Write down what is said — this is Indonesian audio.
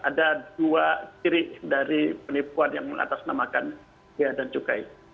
ada dua ciri dari penipuan yang mengatasnamakan biaya dan cukai